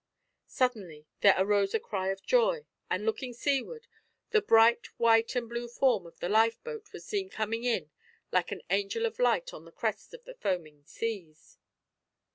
Suddenly there arose a cry of joy, and, looking seaward, the bright white and blue form of the lifeboat was seen coming in like an angel of light on the crests of the foaming seas.